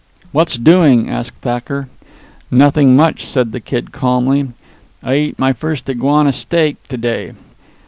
"What's doing?" asked Thacker. "Nothing much," said the Kid calmly. "I eat my first iguana steak to day.